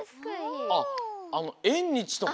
あっえんにちとか！